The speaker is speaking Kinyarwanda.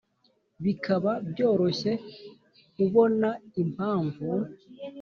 bikaba byoroshye kubona impamvu